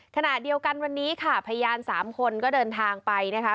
ขณะเดียวกันวันนี้ค่ะพยาน๓คนก็เดินทางไปนะคะ